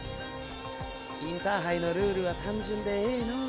インターハイのルールは単純でええのう。